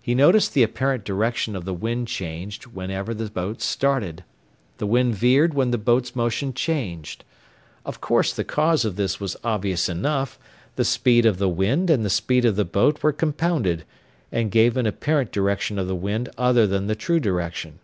He noticed the apparent direction of the wind changed whenever the boat started. The wind veered when the boat's motion changed. Of course the cause of this was obvious enough the speed of the wind and the speed of the boat were compounded, and gave an apparent direction of the wind other than the true direction.